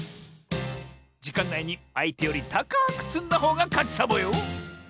じかんないにあいてよりたかくつんだほうがかちサボよ！